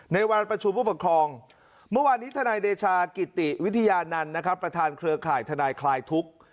ในวันประชุมผู้ปกครองเมื่อวานนี้ทนายเดชากิติวิทยานันต์นะครับประธานเครือข่ายทนายคลายทุกข์